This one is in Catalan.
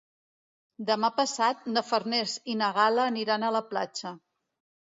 Demà passat na Farners i na Gal·la aniran a la platja.